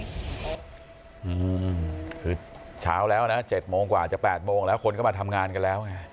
อืมคือเช้าแล้วนะ๗โมงกว่าจะแปดโมงแล้วคนก็มาทำงานกันแล้วไง